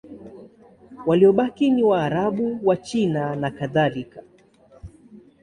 Waliobaki ni Waarabu, Wachina nakadhalika.